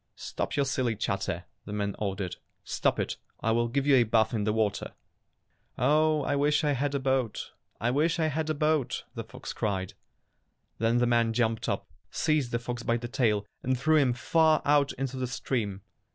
"Stop your silly chatter!" the man or dered. "Stop it, or I will give you a bath in the water!" "Oh, I wish I had a boat, I wish I had a boat!" the fox cried. Then the man jumped up, seized the fox by the tail, and threw him far out into the stream.